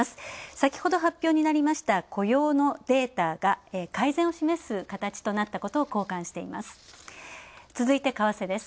先ほど発表になりました、雇用のデータが改善を示す形となったことを好感しています。